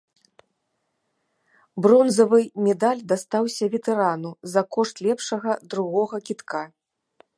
Бронзавы медаль дастаўся ветэрану за кошт лепшага другога кідка.